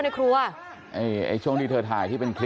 หลุมหน้ากร